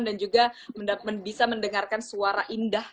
dan juga bisa mendengarkan suara indah